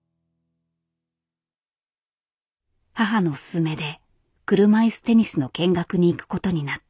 母の勧めで車いすテニスの見学に行くことになった。